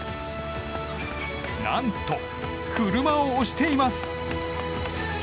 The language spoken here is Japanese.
何と車を押しています。